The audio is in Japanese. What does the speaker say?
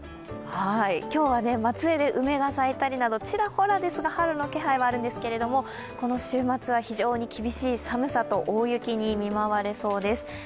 今日は松江で梅が咲いたりなどちらほらですけど春の気配はあるんですけれども、この週末は非常に厳しい寒さと大雪に見舞われそうです。